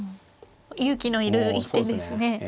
勇気のいる一手ですね。